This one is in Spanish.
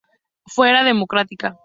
Fuerza Democrática